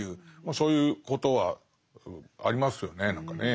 そういうことはありますよね何かね。